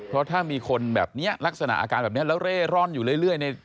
เพราะถ้ามีคนแบบนี้ลักษณะอาการแบบนี้แล้วเร่ร่อนอยู่เรื่อยเนี่ย